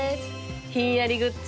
ひんやりグッズ